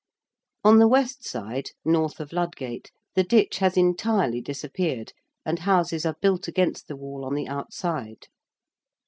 On the west side north of Ludgate the ditch has entirely disappeared and houses are built against the Wall on the outside.